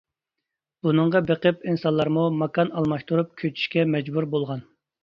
بۇنىڭغا بېقىپ ئىنسانلارمۇ ماكان ئالماشتۇرۇپ كۆچۈشكە مەجبۇر بولغان.